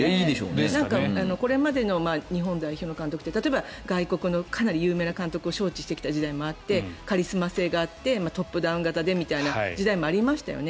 これまでに日本代表の監督って例えば外国のかなり有名な監督を招致してきた時もあってカリスマ性があってトップダウン型でという時代もありましたよね。